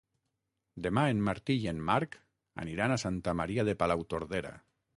Demà en Martí i en Marc aniran a Santa Maria de Palautordera.